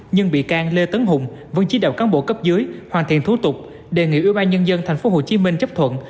nhưng bị can lê tấn hùng vân chí đạo cán bộ cấp dưới hoàn thiện thú tục đề nghị ủy ban nhân dân tp hcm chấp thuận